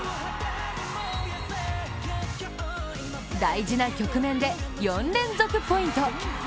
大事な局面で４連続ポイント。